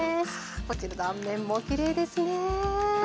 こちら断面もきれいですね。